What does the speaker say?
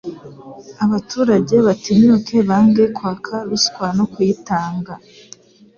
Abaturage batinyuke bange kwaka ruswa no kuyitanga.